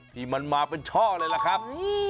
ที่มันมาเป็นช่อเลยล่ะครับ